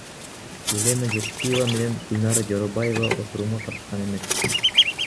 Елена Жылкычыева менен Гүлнара Жоробаева отурумга катышкан эмес.